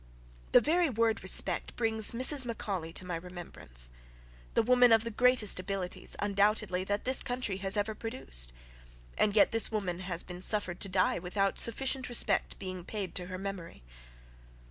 The very word respect brings Mrs. Macaulay to my remembrance. The woman of the greatest abilities, undoubtedly, that this country has ever produced. And yet this woman has been suffered to die without sufficient respect being paid to her memory.